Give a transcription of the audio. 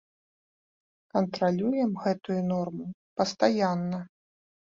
Кантралюем гэтую норму пастаянна.